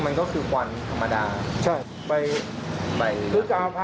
ไม่เราหรอกพี่อุ้ย